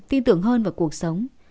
tin tưởng hơn vào cuộc sống